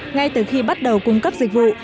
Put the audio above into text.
ngay từ khi bắt đầu cung cấp dịch vụ